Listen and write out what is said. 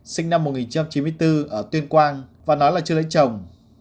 sinh năm một nghìn chín trăm chín mươi bốn ở tuyên quang và nói là chưa lấy chồng